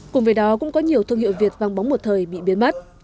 cùng với đó cũng có nhiều thương hiệu việt vang bóng một thời bị biến mất